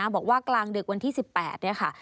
บอกว่ากลางดึกวันที่๑๘นี่ค่ะ